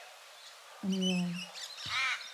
An Iaráin